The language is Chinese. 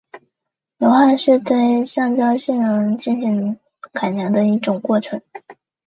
硫化是对橡胶性能进行改良的一种过程。